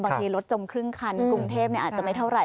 บางทีรถจมครึ่งคันกรุงเทพอาจจะไม่เท่าไห